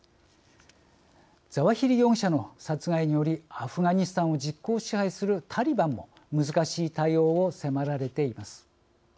ザワヒリ容疑者の殺害によりアフガニスタンを実効支配するタリバンも難しい対応を迫られています。